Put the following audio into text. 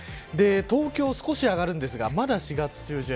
東京は少し上がるんですがまだ４月中旬。